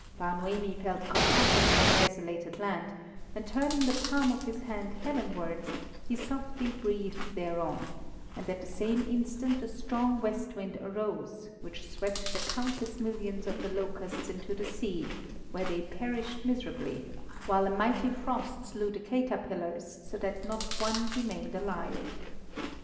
Bar Noemi felt compassion for the desolated land, and turning the palm of his hand heavenwards, he softly breathed thereon, and at the same instant a strong west wind arose, which swept the countless millions of the locusts into the sea, where they perished miserably, while a mighty frost slew the caterpillars so that not one remained alive.